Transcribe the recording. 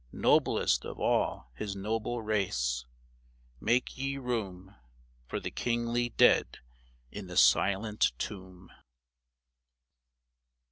Noblest of all his noble race ! Make ye room For the kingly dead in the silent tomb